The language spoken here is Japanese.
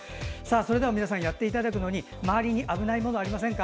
それでは皆さんやっていただくのに周りに危ないものありませんか？